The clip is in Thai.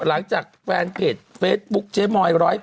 หลังจากแฟนเพจเฟซบุ๊คเจ๊มอย๑๐